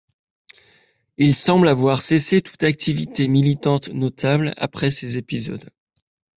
Il semble avoir cessé toute activité militante notable après ces épisodes.